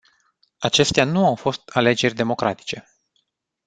Acestea nu au fost alegeri democratice.